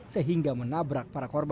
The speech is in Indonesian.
sehingga menabrak para korban